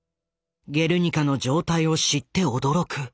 「ゲルニカ」の状態を知って驚く。